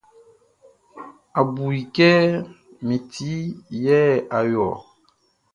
A bu i kɛ min ti yɛ a yo ɔ.